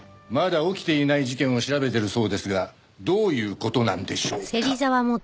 まだ起きていない事件を調べてるそうですがどういう事なんでしょうか？